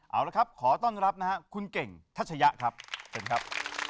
เอาละครับขอต้อนรับนะฮะคุณเก่งทัชยะครับเชิญครับ